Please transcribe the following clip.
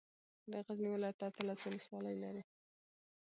د غزني ولايت اتلس ولسوالۍ دي